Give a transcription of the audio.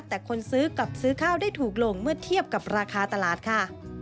แต่คนซื้อกับซื้อข้าวได้ถูกลงเมื่อเทียบกับราคาตลาดค่ะ